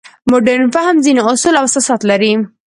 مډرن فهم ځینې اصول او اساسات لري.